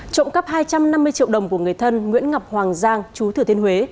trộm cắp hai trăm năm mươi triệu đồng của người thân nguyễn ngọc hoàng giang chú thừa thiên huế